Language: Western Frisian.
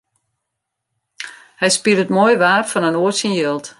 Hy spilet moai waar fan in oar syn jild.